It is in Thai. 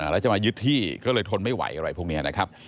แล้วจะมายึดที่ก็เลยทนไม่ไหวอะไรพวกนี้นะครับ